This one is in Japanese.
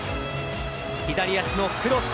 左足のクロス。